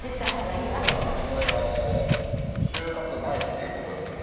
これ収穫前っていう事ですか？